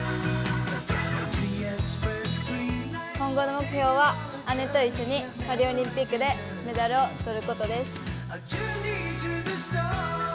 今後の目標は姉と一緒にパリオリンピックでメダルを取ることです。